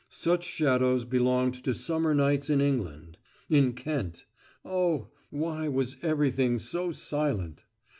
Such shadows belonged to summer nights in England ... in Kent.... Oh! why was everything so silent?